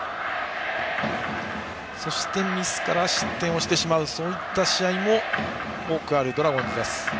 そしてミスから失点をしてしまうそういった試合も多くあるドラゴンズです。